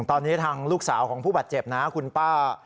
ตอนนี้ทางลูกสาวของผู้บาดเจ็บนะคุณป้า